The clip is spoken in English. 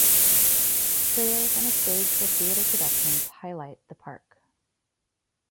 Trails and a stage for theatre productions highlight the park.